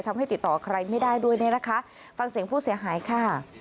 ติดต่อใครไม่ได้ด้วยเนี่ยนะคะฟังเสียงผู้เสียหายค่ะ